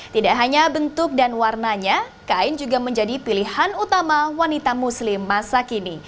tidak hanya bentuk dan warnanya kain juga menjadi pilihan utama wanita muslim masa kini